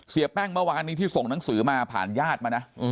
เสียแป้งเมื่อวานนี้ที่ส่งหนังสือมาผ่านญาติมานะ